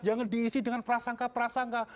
jangan diisi dengan prasangka prasangka